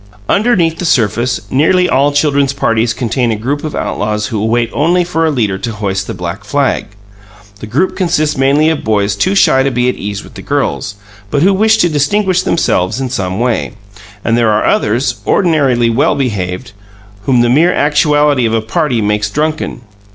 Underneath the surface, nearly all children's parties contain a group of outlaws who wait only for a leader to hoist the black flag. The group consists mainly of boys too shy to be at ease with the girls, but who wish to distinguish themselves in some way; and there are others, ordinarily well behaved, whom the mere actuality of a party makes drunken.